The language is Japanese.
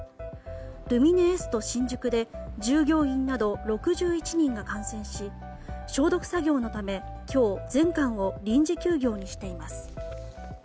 ルミネエスト新宿で従業員など６１人が感染し消毒作業のため、今日全館を臨時休業にしています。